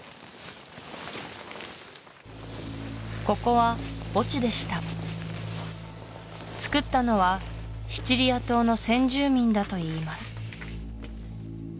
ここは墓地でしたつくったのはシチリア島の先住民だといいます